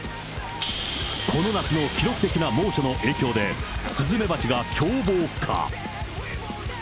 この夏の記録的な猛暑の影響で、スズメバチが狂暴化。